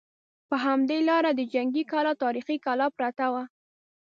په همدې لاره د جنګي کلا تاریخي کلا پرته وه.